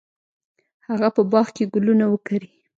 هغه په باغ کې ګلونه وکري.